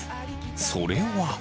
それは。